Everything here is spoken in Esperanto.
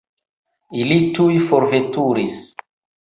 Ili tuj forveturis.